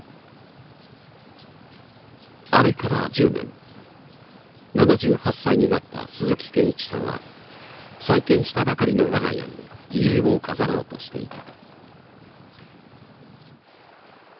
あれから１０年７８歳になった鈴木堅一さんは再建したばかりの我が家に遺影を飾ろうとしていた。